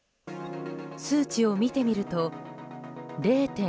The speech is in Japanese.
数値を見てみると、０．１８２。